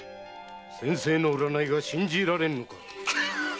先生の占いが信じられぬか。